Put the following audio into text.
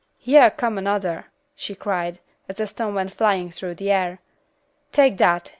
"Hyar come anudder," she cried, as a stone went flying through the air. "Take dat.